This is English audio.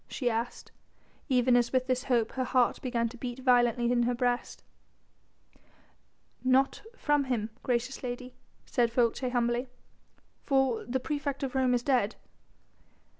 she asked, even as with this hope her heart began to beat violently in her breast. "Not from him, gracious lady," said Folces humbly, "for the praefect of Rome is dead."